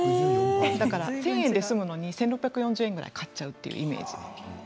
だから１０００円で済むのに１６４０円ぐらい買っちゃうというイメージ。